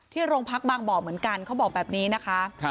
โรงพักบางบ่อเหมือนกันเขาบอกแบบนี้นะคะ